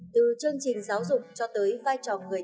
từ chương trình giáo dục cho tới vai trò người